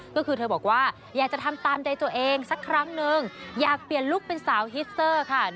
ก็คือเธอบอกว่าอยากจะทำตามใจตัวเองสักครั้งนึงอยากเปลี่ยนลุคเป็นสาวฮิสเซอร์ค่ะ